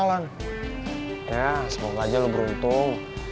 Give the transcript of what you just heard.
ya semoga aja lu beruntung